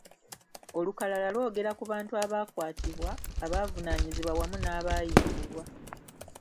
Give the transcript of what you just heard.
Olukalala lwogera ku bantu abaakwatibwa, abavunaanibwa wamu n’abayimbulwa.